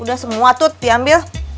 udah semua tut diambil